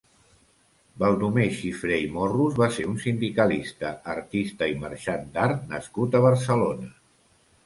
Baldomer Xifré i Morros va ser un sindicalista, artista i merxant d'art nascut a Barcelona.